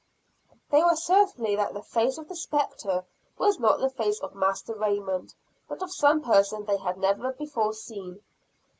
They were certain that the face of the "spectre" was not the face of Master Raymond; but of some person they had never before seen.